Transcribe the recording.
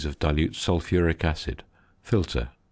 of dilute sulphuric acid. Filter.